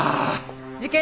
事件